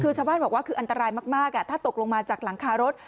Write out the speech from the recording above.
คือชาวบ้านบอกว่าคืออันตรายมากถ้าตกลงมาจากหลังคารถ